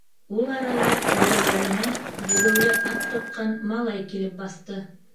- Ул арала эргәләренә егеүле «ат» тотҡан малай килеп баҫты.